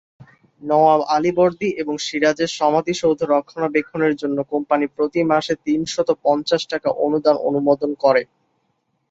নওয়াব আলীবর্দী এবং সিরাজের সমাধিসৌধ রক্ষণাবেক্ষণের জন্য কোম্পানি প্রতি মাসে তিনশত পঞ্চাশ টাকার অনুদান অনুমোদন করে।